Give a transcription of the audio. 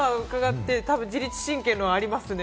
自律神経もありますね。